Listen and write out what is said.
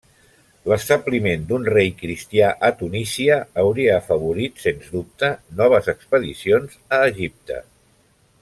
L'establiment d'un rei cristià a Tunísia hauria afavorit, sens dubte, noves expedicions a Egipte.